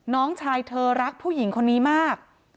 น้องชายเธอรักผู้หญิงคนนี้มาก